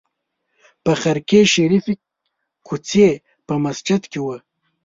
په خرقې شریفې کوڅې په مسجد کې وه.